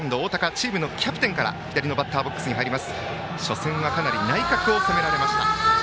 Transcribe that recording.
チームのキャプテンから左のバッターボックスに入ります。